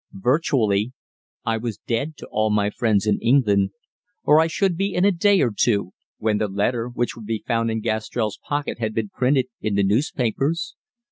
Virtually I was dead to all my friends in England, or I should be in a day or two, when the letter which would be found in Gastrell's pocket had been printed in the newspapers.